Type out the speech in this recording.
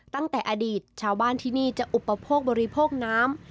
ตั้งแต่อดีตชาวบ้านที่นี่จะอุปโภคบริโภคน้ำ